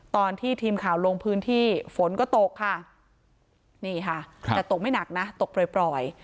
ตอนที่ทีมข่าวลงพื้นที่ฝนก็ตกค่ะนี่ค่ะแต่ตกไม่หนักนะตกปล่อย